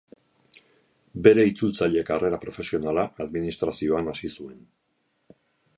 Bere itzultzaile karrera profesionala administrazioan hasi zuen.